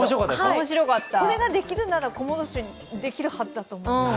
これができるなら小諸市、できるはずだと思います。